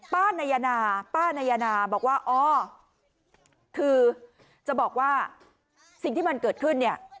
ป้านายนาป้านายนาบอกว่าอ๋อคือจะบอกว่าสิ่งที่มันเกิดขึ้นเนี่ย